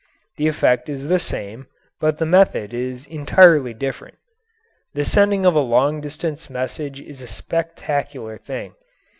The effect is the same, but the method is entirely different. The sending of a long distance message is a spectacular thing.